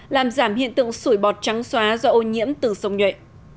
làm giảm hiện tượng sủi bọt trắng xóa do ô nhiễm từ sông nhuệ